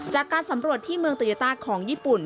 จากการสำรวจที่เมืองโตยาต้าของญี่ปุ่น